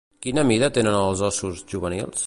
Quina mida tenen els ossos juvenils?